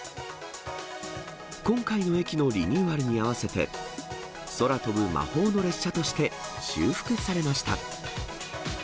今回の駅のリニューアルに合わせて、空飛ぶ魔法の列車として修復されました。